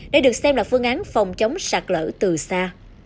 đây được xem là phương án phòng chống sạt lỡ từ xa